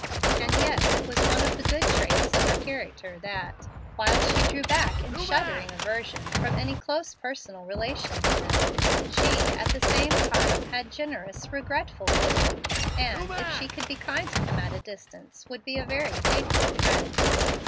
And yet it was one of the good traits in her character, that, while she drew back in shuddering aversion from any dose personal relation to him, she at the same time bad generous, regretful pity, and, if she could be kind to him at a distance, would be a very faithful friend.